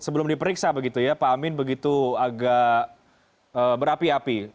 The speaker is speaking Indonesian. sebelum diperiksa begitu ya pak amin begitu agak berapi api